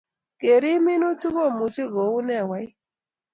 kerib minutik komuchi kuun hewaiit